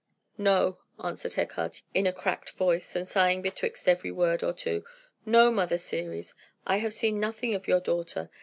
"No," answered Hecate, in a cracked voice, and sighing betwixt every word or two "no, Mother Ceres, I have seen nothing of your daughter.